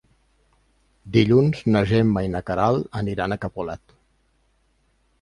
Dilluns na Gemma i na Queralt aniran a Capolat.